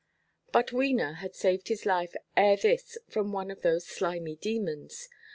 But Wena had saved his life ere this from one of those slimy demons.